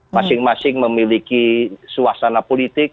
masing masing memiliki suasana politik